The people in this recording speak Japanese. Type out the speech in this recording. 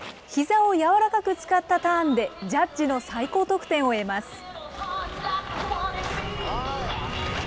ひざを柔らかく使ったターンで、ジャッジの最高得点を得ます。